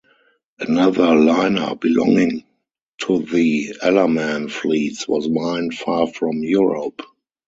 Another liner belonging to the Ellerman fleets was mined far from Europe.